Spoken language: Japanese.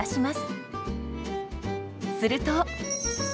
すると。